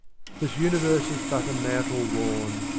XII. This Universe is but a Mantle worn.